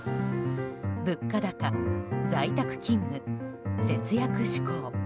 物価高、在宅勤務、節約志向